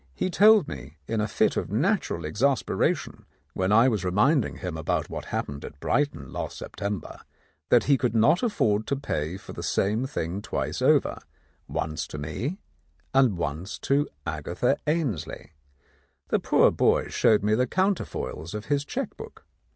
He told me, in a fit of natural exaspera tion, when I was reminding him about what hap pened at Brighton last September, that he could not afford to pay for the same thing twice over, once to me, and once to Agatha Ainslie. The poor boy showed me the counterfoils of his cheque book.